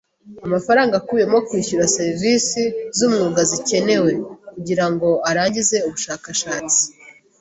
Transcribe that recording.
Amafaranga akubiyemo kwishyura serivisi zumwuga zikenewe kugirango arangize ubushakashatsi.